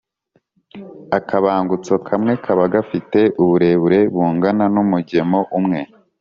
akabangutso kamwe kaba gafite uburebure bungana n’umugemo umwe